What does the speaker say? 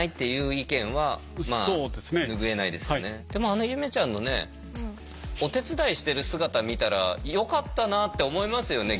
あのゆめちゃんのねお手伝いしてる姿見たらよかったなって思いますよね。